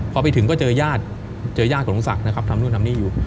พอไปถึงก็เจอญาติเจอญาติของลุงศักดิ์นะครับทำนู่นทำนี่อยู่